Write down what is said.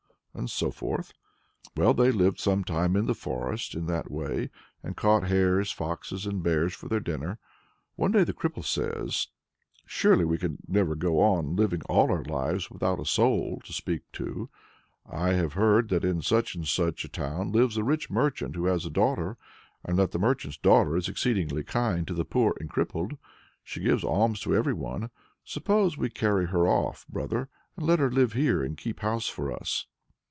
and so forth. Well, they lived some time in the forest in that way, and caught hares, foxes, and bears for their dinner. One day the cripple says "Surely we can never go on living all our lives without a soul [to speak to]. I have heard that in such and such a town lives a rich merchant who has a daughter; and that merchant's daughter is exceedingly kind to the poor and crippled. She gives alms to everyone. Suppose we carry her off, brother, and let her live here and keep house for us."